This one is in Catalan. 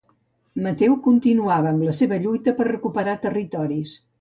Mateu continuava amb la seva lluita per recuperar territoris.